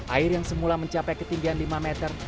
air yang semula mencapai ketinggian lima meter